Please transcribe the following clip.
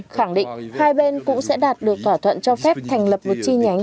khẳng định hai bên cũng sẽ đạt được thỏa thuận cho phép thành lập một chi nhánh